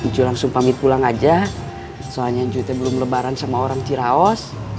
jujur langsung pamit pulang aja soalnya juga belum lebaran sama orang ciraos